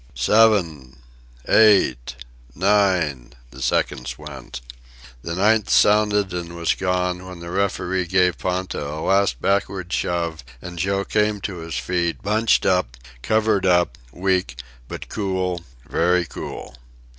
"Seven eight nine " the seconds went. The ninth sounded and was gone, when the referee gave Ponta a last backward shove and Joe came to his feet, bunched up, covered up, weak, but cool, very cool.